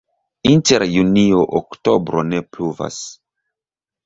Inter junio-oktobro ne pluvas.